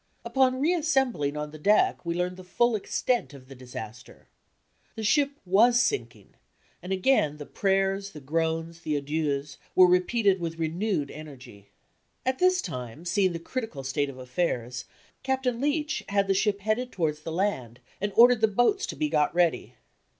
Upon reassembling on the deck we learned the full extent of the disaster. The ship was sinking, and again the prayers, the groans, the adieus, were repeated with renewed energy. At this time, seeing the critical state of affairs. Captain Leitch had the ship headed towards the land, and ordered the boats to be got ready.